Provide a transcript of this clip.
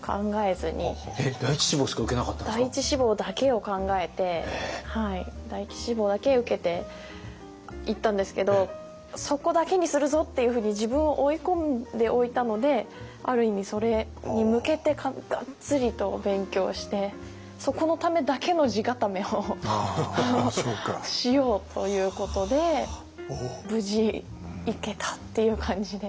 第１志望だけを考えて第１志望だけ受けていったんですけどそこだけにするぞっていうふうに自分を追い込んでおいたのである意味それに向けてがっつりと勉強してそこのためだけの地固めをしようということで無事行けたっていう感じで。